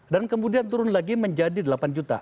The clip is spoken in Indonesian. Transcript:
dan kemudian turun lagi menjadi delapan juta